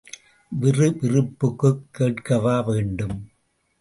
விறுவிறுப்புக்குக் கேட்கவா வேண்டும்?